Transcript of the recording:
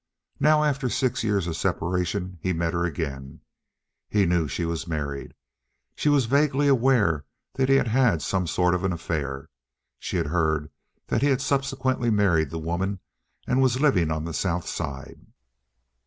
Now after six years of separation he met her again. He knew she was married. She was vaguely aware he had had some sort of an affair—she had heard that he had subsequently married the woman and was living on the South Side.